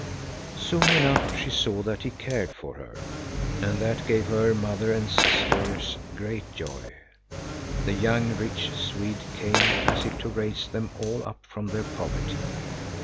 Soon enough she saw that he cared for her. And that gave her mother and sisters great joy. The young, rich Swede came as if to raise them all up from their poverty.